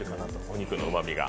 お肉のうまみが。